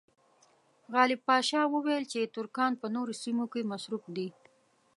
غالب پاشا وویل چې ترکان په نورو سیمو کې مصروف دي.